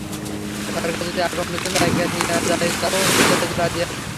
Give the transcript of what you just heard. সরকার যদি আমগরে অন্য জায়গায় নিয়া যায়, তাও যাইতে রাজি আছি।